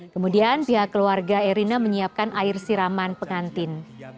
kemudian pihak keluarga erina menyiapkan air siraman pengantin